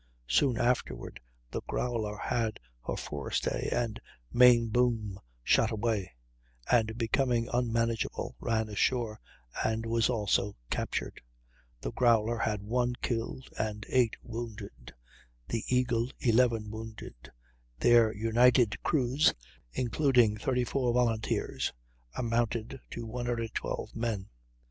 Soon afterward the Growler had her forestay and main boom shot away, and, becoming unmanageable, ran ashore and was also captured. The Growler had 1 killed and 8 wounded, the Eagle 11 wounded; their united crews, including 34 volunteers, amounted to 112 men.